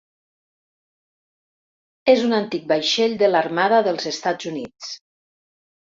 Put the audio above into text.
és un antic vaixell de l'Armada dels Estats Units.